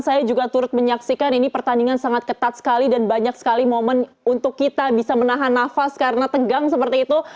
saya juga turut menyaksikan ini pertandingan sangat ketat sekali dan banyak sekali momen untuk kita bisa menahan nafas karena tegang seperti itu